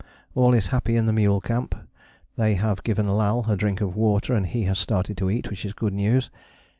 All is happy in the mule camp. They have given Lal a drink of water and he has started to eat, which is good news.